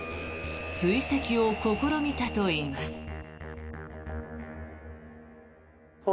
追跡を試みたといいます。